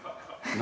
何？